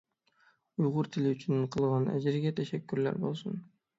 ئۇيغۇر تىلى ئۈچۈن قىلغان ئەجرىگە تەشەككۈرلەر بولسۇن!